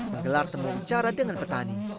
menggelar temuan cara dengan petani